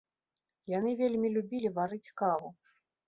Яны вельмі любілі варыць каву.